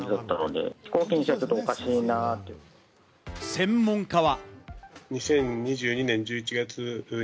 専門家は。